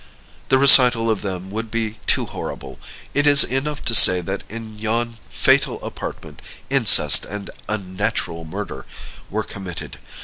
The recital of them would be too horrible; it is enough to say that in yon fatal apartment incest and unnatural murder were committed.